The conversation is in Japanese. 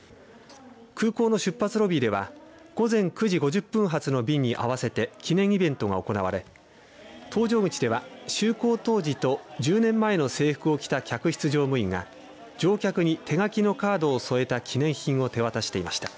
空港の出発ロビーでは午前９時５０分発の便に合わせて記念イベントが行われ搭乗口では就航当時と１０年前の制服を着た客室乗務員が乗客に手書きのカードを添えた記念品を手渡していました。